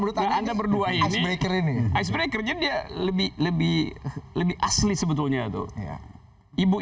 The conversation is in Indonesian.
menurut anda berdua isme kerini aja kerja lebih lebih lebih asli sebetulnya doa ya ibu